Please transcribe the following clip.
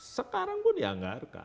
sekarang pun dianggarkan